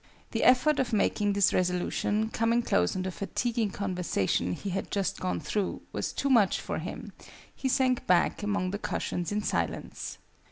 The effort of making this resolution, coming close on the fatiguing conversation he had just gone through, was too much for him: he sank back among the cushions in silence.